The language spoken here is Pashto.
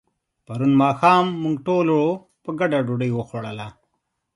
پرون ماښام موږ ټولو په ګډه ډوډۍ وخوړله.